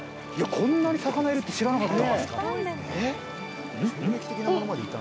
こんなに魚いるって知らなかった。